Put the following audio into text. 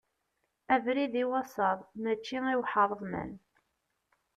Abrid i wasaḍ mačči i uḥreḍman.